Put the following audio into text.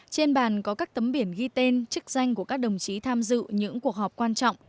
trên bàn có các tấm biển ghi tên chức danh của các đồng chí tham dự những cuộc họp quan trọng